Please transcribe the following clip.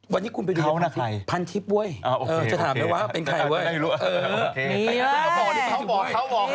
วันนี้คุณไปดีแล้วพันทิศเว้ยจะถามไหมว่าเป็นใครเว้ยเออมีเลย